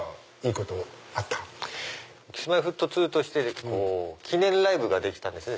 Ｋｉｓ−Ｍｙ−Ｆｔ２として記念ライブができたんですね。